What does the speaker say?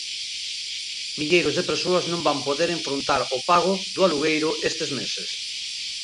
Milleiros de persoas non van poder enfrontar o pago do alugueiro estes meses.